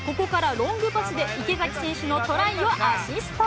ロングパスで池崎選手のトライをアシスト。